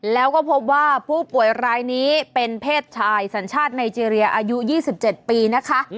แล้วก็พบว่าผู้ป่วยรายนี้เป็นเพศชายสัญชาติไนเจรียอายุ๒๗ปีนะคะ